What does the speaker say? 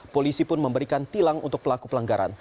polisi pun memberikan tilang untuk pelaku pelanggaran